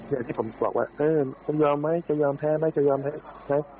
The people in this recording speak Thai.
อย่างที่ผมบอกว่าเออผมยอมไหมจะยอมแพ้ไหมจะยอมแพ้